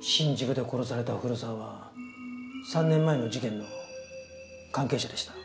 新宿で殺された古沢は３年前の事件の関係者でした。